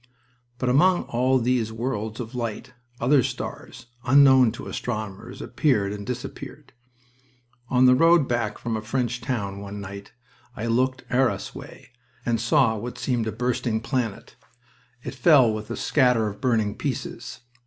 But among all these worlds of light other stars, unknown to astronomers, appeared and disappeared. On the road back from a French town one night I looked Arras way, and saw what seemed a bursting planet. It fell with a scatter of burning pieces.